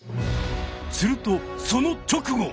するとその直後！